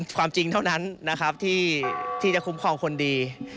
ความจริงเท่านั้นนะครับที่จะคุ้มครองคนดี